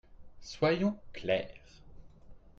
Soyons clairs.